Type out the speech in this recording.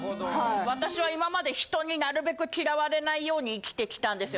私は今まで人になるべく嫌われないように生きてきたんですよ。